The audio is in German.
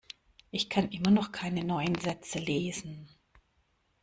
Ich kann immer noch keine neuen Sätze lesen.